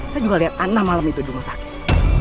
saya juga liat anda malam itu juga sakit